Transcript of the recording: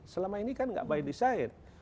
selama ini kan nggak by design